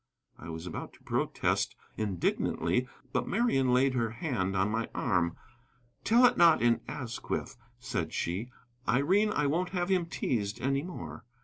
I was about to protest indignantly, but Marian laid her hand on my arm. "Tell it not in Asquith," said she. "Irene, I won't have him teased any more."